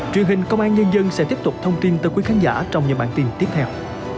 truyền hình công an nhân dân sẽ tiếp tục thông tin tới quý khán giả trong những bản tin tiếp theo